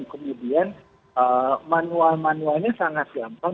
kemudian manual manualnya sangat gampang